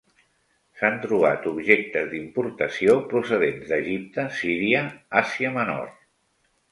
S'han trobat objectes d'importació procedents d'Egipte, Síria, Àsia Menor.